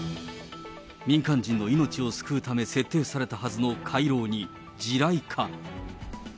民間人の命を救うため、設定されたはずの回廊に地雷か。